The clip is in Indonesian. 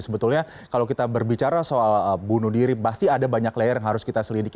sebetulnya kalau kita berbicara soal bunuh diri pasti ada banyak layer yang harus kita selidiki